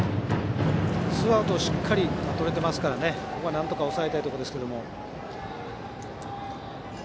ツーアウトをしっかりとれていますからここはなんとか抑えたいですが。